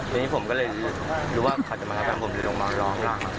ทีนี้ผมก็เลยรู้ว่าเขาจะมากับแฟนผมอยู่ตรงนั้นร้องหลังครับ